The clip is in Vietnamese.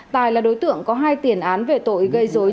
tài là đối tượng có hai tiền án về tội gây dối